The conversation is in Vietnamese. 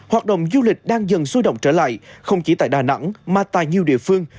hoạt động du lịch đang dần sôi động trở lại không chỉ tại đà nẵng mà tại nhiều địa phương